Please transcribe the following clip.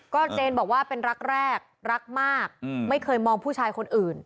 เจนบอกว่าเป็นรักแรกรักมากไม่เคยมองผู้ชายคนอื่น